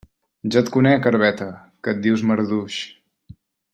Ja et conec, herbeta, que et dius marduix.